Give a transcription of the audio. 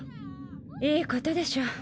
いいことでしょ。